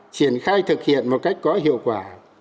triển khai thực hiện một cách có hiệu quả